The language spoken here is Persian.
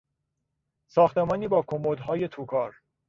ساختمانی با کمدهای توکار